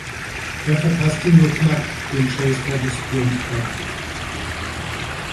Er verpasste nur knapp den Chase for the Sprint Cup.